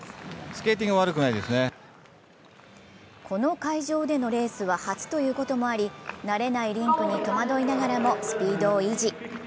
この会場でのレースは初ということもあり、慣れないリンクに戸惑いながらもスピードを維持。